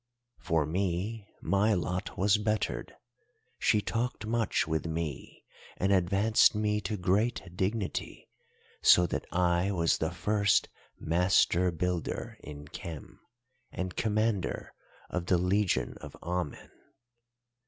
"For me, my lot was bettered; she talked much with me, and advanced me to great dignity, so that I was the first Master Builder in Khem, and Commander of the legion of Amen.